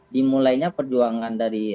dimulainya perjuangan dari